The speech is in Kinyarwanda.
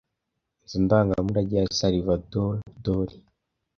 Inzu ndangamurage ya Salvador Dali